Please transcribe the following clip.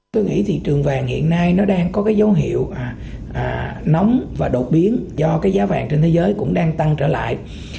tôi nghĩ thị trường vàng hiện nay nó đang có cái dấu hiệu nóng và đột biến do cái giá vàng trên thế giới cũng đang tăng trở lại